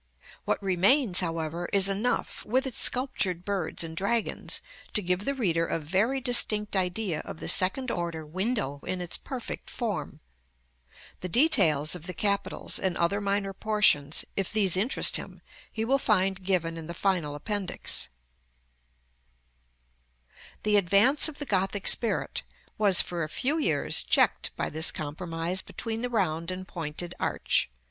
What remains, however, is enough, with its sculptured birds and dragons, to give the reader a very distinct idea of the second order window in its perfect form. The details of the capitals, and other minor portions, if these interest him, he will find given in the final Appendix. [Illustration: Plate XV. WINDOWS OF THE SECOND ORDER. CASA FALIER.] § XXXI. The advance of the Gothic spirit was, for a few years, checked by this compromise between the round and pointed arch.